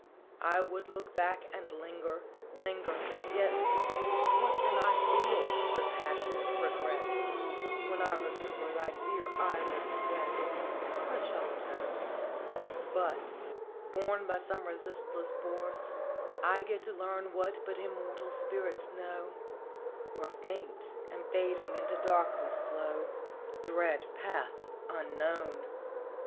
JHotljs. 67 " I would look back and linger, linger yet What can I feel but passionate regret? When I remember thy dear eyelids wet, What shall atone? *" But, borne by some resistless force, I go To learn what but immortal spirits know Or faint and fading into darkness flow Dread path unknown